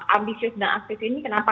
ambisius dan aktif ini kenapa